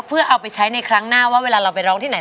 เพื่อเอาไปใช้ในครั้งหน้าว่าเวลาเราไปร้องที่ไหน